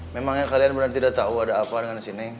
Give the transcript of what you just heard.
memangnya kalian benar benar tidak tahu ada apa dengan si neng